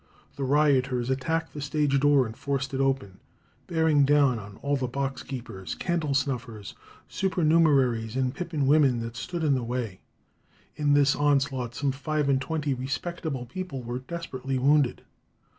The rioters attacked the stage door and forced it open, "bearing down all the box keepers, candle snuffers, supernumeraries, and pippin women that stood in the way." In this onslaught some five and twenty respectable people were desperately wounded.